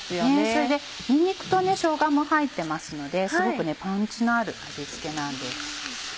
それでにんにくとしょうがも入ってますのですごくパンチのある味付けなんです。